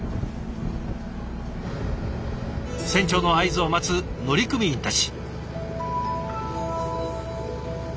船長の合図を待つ乗組員たち。